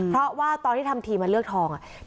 เพราะว่าตอนที่ทำทีมาเลือกทองอ่ะ